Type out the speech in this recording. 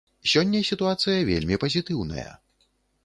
Сёння сітуацыя вельмі пазітыўная.